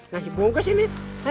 nasi bungkus ini